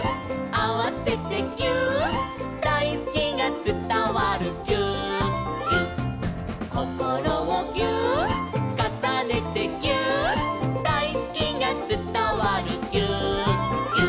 「あわせてぎゅーっ」「だいすきがつたわるぎゅーっぎゅっ」「こころをぎゅーっ」「かさねてぎゅーっ」「だいすきがつたわるぎゅーっぎゅっ」